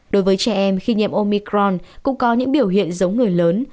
đối với trẻ em khi nhiễm omicron cũng có những biểu hiện giống người lớn